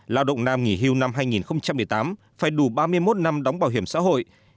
lao động nam nghỉ hưu năm hai nghìn một mươi tám phải đủ ba mươi một năm đóng bảo hiểm xã hội